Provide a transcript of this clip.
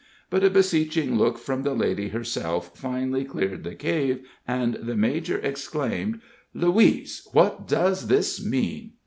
But a beseeching look from the lady herself finally cleared the cave, and the major exclaimed: "Louise, what does this mean?"